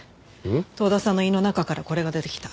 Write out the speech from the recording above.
遠田さんの胃の中からこれが出てきた。